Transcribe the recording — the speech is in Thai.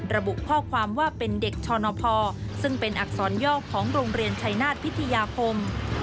ระบุข้อความว่าเป็นเด็กชนพซึ่งเป็นอักษรยอกของโรงเรียนชัยนาฏพิทยาคม